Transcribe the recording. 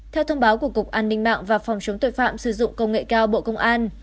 theo thông báo của cục an ninh mạng và phòng chống tội phạm sử dụng công nghệ cao bộ công an